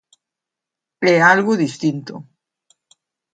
É algo distinto.